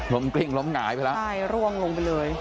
ล้มกลิ้งล้มหงายไปแล้ว